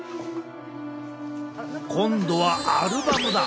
今度はアルバムだ。